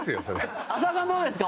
中居：浅尾さん、どうですか？